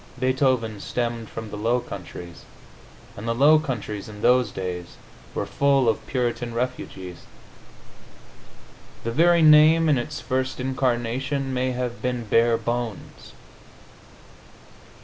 Beethoven stemmed from the Low Countries, and the Low Countries, in those days, were full of Puritan refugees; the very name, in its first incarnation, may have been Barebones.